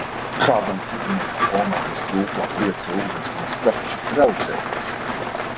Kādam gudriniekam fonā bija strūklaka, lietus vai ūdenskritums! Tas taču ir traucējoši!